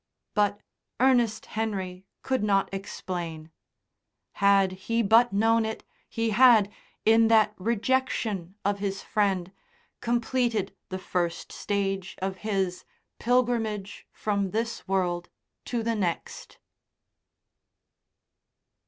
But Ernest Henry could not explain. Had he but known it he had, in that rejection of his friend, completed the first stage of his "Pilgrimage from this world to the next."